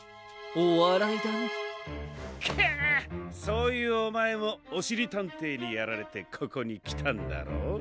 そういうおまえもおしりたんていにやられてここにきたんだろ？